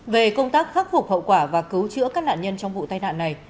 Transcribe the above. về công tác khắc phục hậu quả và cứu chữa các nạn nhân trong vụ tai nạn này